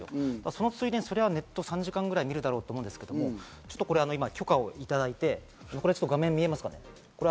その数字、そりゃネット３時間ぐらい見るだろうと思うんですが、今許可をいただいて、画面で見えますか？